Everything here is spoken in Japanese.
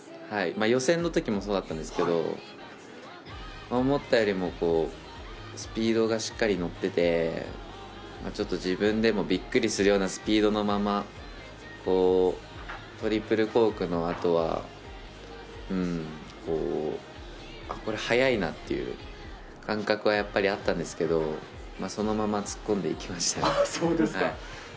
予選のときもそうだったんですけど、思ったよりもスピードがしっかり乗ってて、ちょっと自分でもびっくりするようなスピードのまま、トリプルコークのあとはあっ、これ速いなという感覚はあったんですけど、そのまま突っ込んでいきましたね。